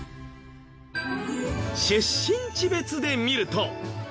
出身地別で見ると。